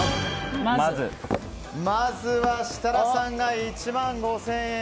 まずは設楽さんが１万５０００円。